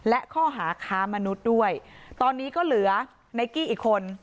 และข้อหาค้ามนุษย์ด้วยตอนนี้ก็เหลือไนกี้อีกคน